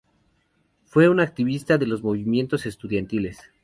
Fue un activista de los movimientos estudiantiles.